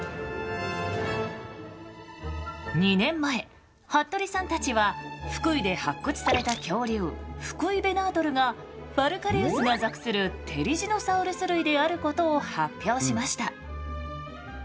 ２年前服部さんたちは福井で発掘された恐竜フクイベナートルがファルカリウスが属するテリジノサウルス類であることを発表しました。